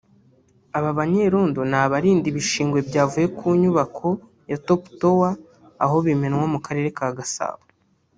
Aba banyerendo ni abarinda ibishingwe byavuye ku nyubako ya Top tower aho bimenwa mu karere ka Gasabo